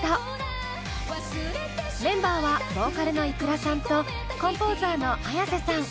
メンバーはボーカルのｉｋｕｒａさんとコンポーザーのＡｙａｓｅさん。